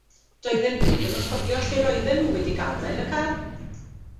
Doedden nhw ddim yn cofio lle roedden nhw wedi gadael y car.